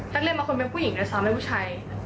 นักเรียนมาคนเป็นผู้หญิงแต่สามเป็นผู้ชาย